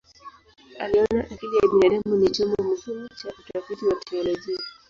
Aliona akili ya binadamu ni chombo muhimu cha utafiti wa teolojia.